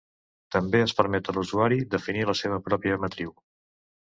També es permet a l'usuari definir la seva pròpia matriu.